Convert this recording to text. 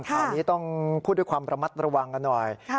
ข่าวนี้ต้องพูดด้วยความระมัดระวังกันหน่อย